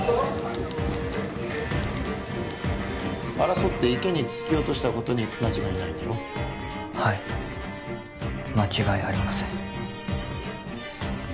・争って池に突き落としたことに間違いないんだろはい間違いありません